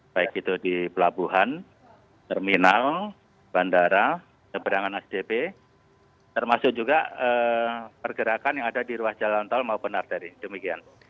baik itu di pelabuhan terminal bandara seberangan sdp termasuk juga pergerakan yang ada di ruas jalan tol maupun arteri demikian